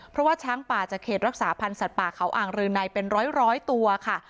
เพราะว่าช้างป่าจากเขตรักษาพันธ์สัตว์ป่าเขาอ่างรืนัยเป็นร้อยตัวค่ะ